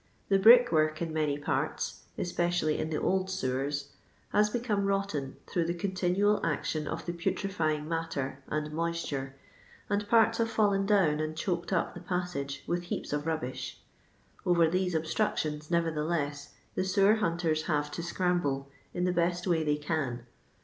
The brick work in many parts — especially in the old sewers — has become rotten through the continual action of the putrefying matter and moisture, and parts have fallen down and choked up the passage with heaps of rubbish ; over these obstructions, nevertheless, the sewer hunters have to scramble "in the best way they can."